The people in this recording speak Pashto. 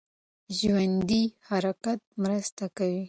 ژوندی حرکت مرسته کوي.